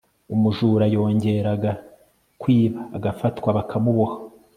umujura yongeraga kwiba agafatwa, bakamuboha